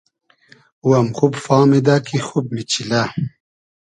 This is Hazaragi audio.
او ام خوب فامیدۂ کی خوب میچیلۂ